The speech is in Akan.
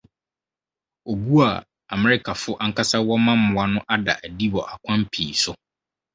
Obu a Amerikafo Ankasa wɔ ma mmoa no ada adi wɔ akwan pii so.